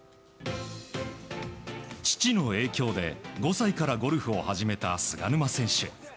父の影響で５歳からゴルフを始めた菅沼選手。